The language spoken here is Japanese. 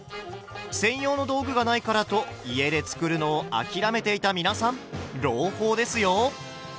専用の道具がないからと家で作るのを諦めていた皆さん朗報ですよ！